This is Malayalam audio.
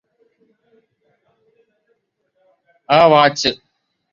ആ വാച്ച്